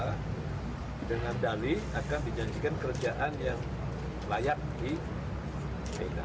dengan dali akan dijanjikan kerjaan yang layak di medan